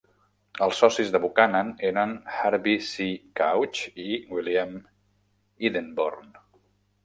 Els socis de Buchanan eren Harvey C. Couch i William Edenborn.